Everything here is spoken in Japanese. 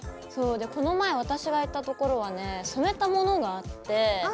この前私が行ったところはね染めたものがあって。